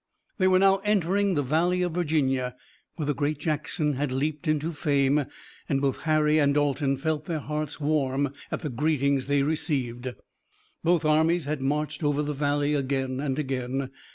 They were now entering the Valley of Virginia where the great Jackson had leaped into fame, and both Harry and Dalton felt their hearts warm at the greetings they received. Both armies had marched over the valley again and again.